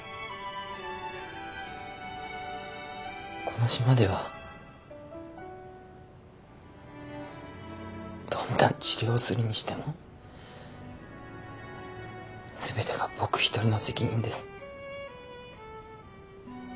この島ではどんな治療をするにしてもすべてが僕１人の責任です。